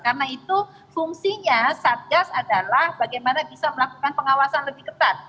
karena itu fungsinya satgas adalah bagaimana bisa melakukan pengawasan lebih ketat